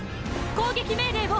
攻撃命令を！